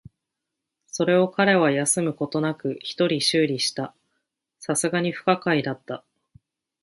それを彼は休むことなく一人修理した。流石に不可解だった。